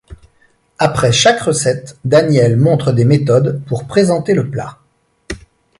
Après chaque recettes, Daniel montre des méthodes pour présenter le plat.